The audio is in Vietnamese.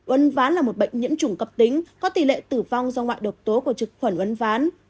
uấn ván là một bệnh nhiễm chủng cập tính có tỷ lệ tử vong do ngoại độc tố của trực khuẩn uấn ván